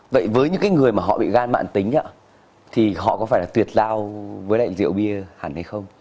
vậy với những người bị gan mạng tính thì họ có phải tuyệt lao với lại rượu bia hẳn hay không